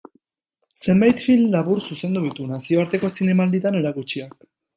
Zenbait film labur zuzendu ditu, nazioarteko zinemalditan erakutsiak.